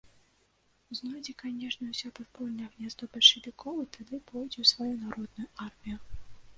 Знойдзе, канешне, усё падпольнае гняздо бальшавікоў і тады пойдзе ў сваю народную армію.